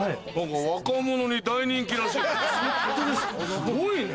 すごいね。